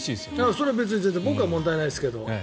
それは別に全然僕は問題ないですけど。